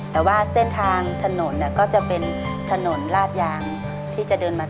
แต่ว่าเส้นทางถนนก็จะเป็นถนนลาดยางที่จะเดินมา